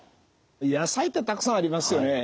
野菜ってたくさんありますよね。